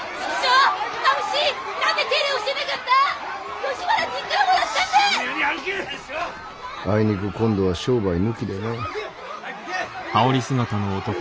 あいにく今度は商売抜きでね。